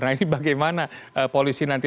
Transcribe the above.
nah ini bagaimana polisi nanti